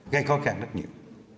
gây khó khăn rất nhiều